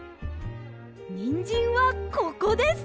にんじんはここです。